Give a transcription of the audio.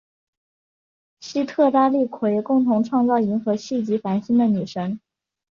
西特拉利奎共同创造银河系及繁星的女神。